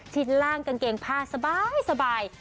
ล่างกางเกงผ้าสบาย